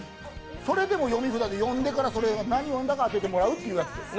それでも読み札で読んでから、何を読んだか当ててもらうゲームです。